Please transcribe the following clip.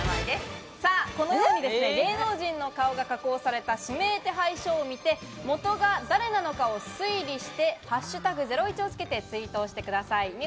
このように芸能人の顔が加工された指名手配書を見て、もとが誰なのかを推理して「＃ゼロイチ」をつけてツイートしてください。